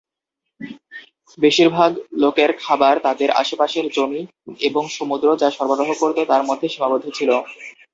বেশিরভাগ লোকের খাবার তাদের আশেপাশের জমি এবং সমুদ্র যা সরবরাহ করত তার মধ্যে সীমাবদ্ধ ছিল।